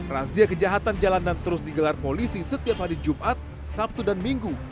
razia kejahatan jalanan terus digelar polisi setiap hari jumat sabtu dan minggu